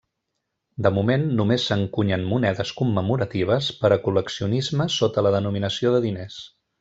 De moment només s'encunyen monedes commemoratives per a col·leccionisme sota la denominació de diners.